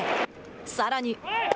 さらに。